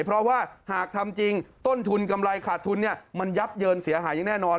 เพราะว่าหากทำจริงต้นทุนกำไรขาดทุนมันยับเยินเสียหายอย่างแน่นอน